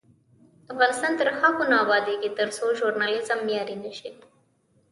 افغانستان تر هغو نه ابادیږي، ترڅو ژورنالیزم معیاري نشي.